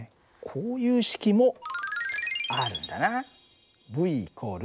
こういう式もあるんだな。